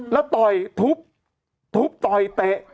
แล้วต่อยทุบทุบต่อยเตะ